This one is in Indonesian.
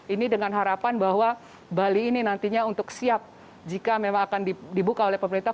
ini dengan harapan bahwa bali ini nantinya untuk siap jika memang akan dibuka oleh pemerintah